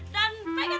dan pengen berjalan